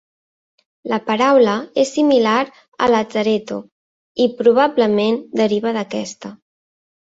La paraula és similar a "lazaretto", i probablement deriva d'aquesta.